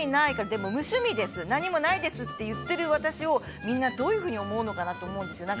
でも、無趣味です何もないですって言ってる私をみんなどういうふうに思うのかなって思うんです。